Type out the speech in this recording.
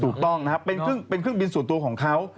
ถูกต้องนะครับเป็นเครื่องบินส่วนตัวของเขา